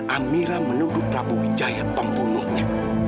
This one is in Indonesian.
amira menuduh prabu wijaya pembunuhnya